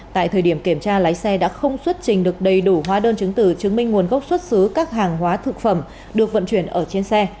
tại thời điểm kiểm tra lái xe đã không xuất trình được đầy đủ hóa đơn chứng từ chứng minh nguồn gốc xuất xứ các hàng hóa thực phẩm được vận chuyển ở trên xe